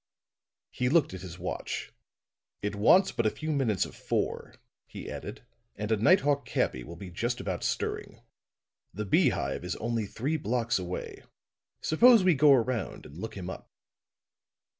He looked at his watch. "It wants but a few minutes of four," he added, "and a night hawk cabby will be just about stirring. The Beehive is only three blocks away; suppose we go around and look him up."